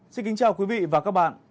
xin kính chào quý vị và các bạn